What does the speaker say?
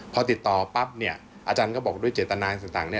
พอติดต่อปั๊บเนี่ยอาจารย์ก็บอกด้วยเจตนาต่าง